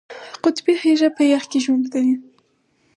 قطبي هیږه په یخ کې ژوند کوي